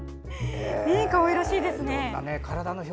かわいらしいですね。